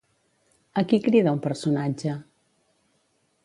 A qui crida un personatge?